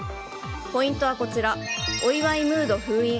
ポイントはこちらお祝いムード封印